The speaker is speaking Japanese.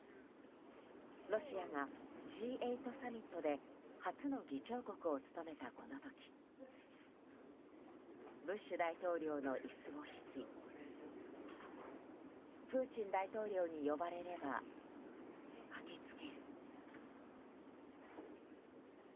ロシアがＧ８サミットで初の議長国を務めたこの時ブッシュ大統領の椅子を引きプーチン大統領に呼ばれれば駆けつける。